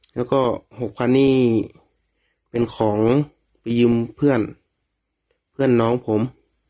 แล้วก็๖๐๐นี่เป็นของไปยืมเพื่อนเพื่อนน้องผม